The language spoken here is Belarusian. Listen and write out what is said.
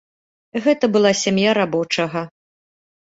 Гэта была сям'я рабочага.